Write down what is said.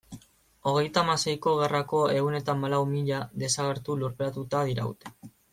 Hogeita hamaseiko gerrako ehun eta hamalau mila desagertu lurperatuta diraute.